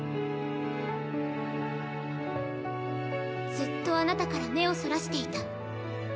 ずっとあなたから目をそらしていた。